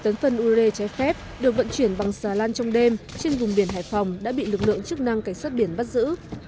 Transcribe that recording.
năm mươi tấn phân u lê trái phép được vận chuyển bằng xà lan trong đêm trên vùng biển hải phòng đã bị lực lượng chức năng cảnh sát biển bắt giữ